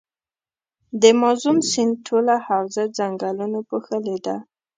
د مازون سیند ټوله حوزه ځنګلونو پوښلي ده.